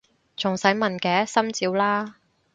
仲使問嘅！心照啦！